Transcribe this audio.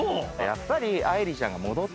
やっぱり。